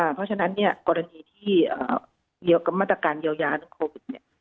เพราะฉะนั้นเนี่ยกรณีที่เดียวกับมาตรการเยียวยาโควิดเนี่ย